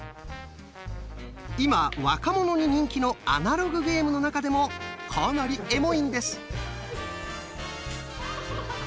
今若者に人気のアナログゲームの中でもかなり「エモい」んです。